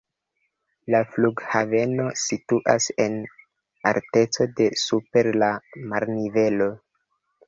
La flughaveno situas en alteco de super la marnivelo.